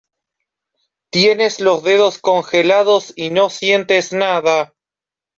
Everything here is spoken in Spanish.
tienes los dedos congelados y no sientes nada.